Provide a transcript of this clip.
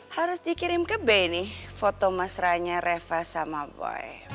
harus dikirim ke b nih foto masranya reva sama boy